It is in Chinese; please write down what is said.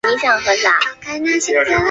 拉芒辛讷人口变化图示